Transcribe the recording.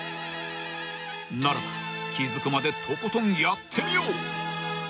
［ならば気付くまでとことんやってみよう］